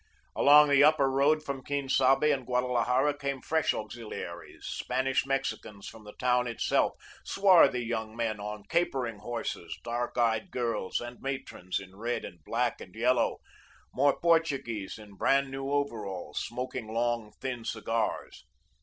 Along the Upper Road from Quien Sabe and Guadalajara came fresh auxiliaries, Spanish Mexicans from the town itself, swarthy young men on capering horses, dark eyed girls and matrons, in red and black and yellow, more Portuguese in brand new overalls, smoking long thin cigars.